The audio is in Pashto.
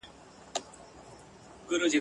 یوه ورخ توتکۍ والوته دباندي ..